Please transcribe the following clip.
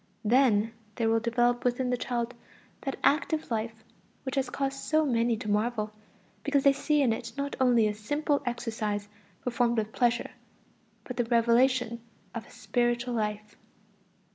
Then there will develop within the child that "active life" which has caused so many to marvel, because they see in it not only a simple exercise performed with pleasure, but the revelation of a spiritual life.